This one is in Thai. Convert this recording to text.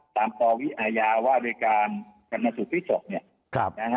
ตามต่อวิอาญาว่าโดยการกำนัดสุขภิกษกษ์